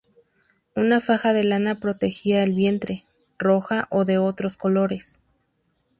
Una faja de lana protegía el vientre, roja o de otros colores.